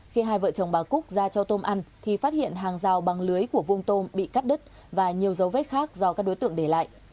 khi hai vợ chồng bà cúc ra cho tôm ăn thì phát hiện hàng rào bằng lưới của vuông tôm bị cắt đứt và nhiều dấu vết khác do các đối tượng để lại